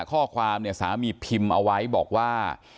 ข้อความเนี่ยสามีพิมพ์เอาไว้บอกว่า